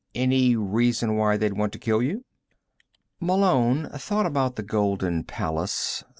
Any reason why they'd want to kill you?" Malone thought about the Golden Palace.